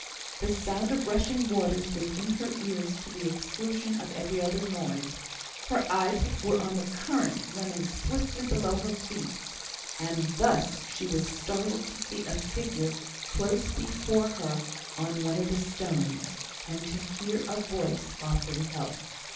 The sound of rushing waters was in her ears to the exclusion of every other noise; her eyes were on the current running swiftly below her feet; and thus she was startled to see a figure close before her on one of the stones, and to hear a voice offering help.